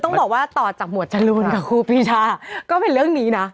ต้องบอกว่าต่อจากหมวดจรูนกับครูปีชาก็เป็นเรื่องนี้นะ